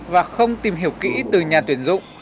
và không tìm hiểu kỹ từ nhà tuyển dụng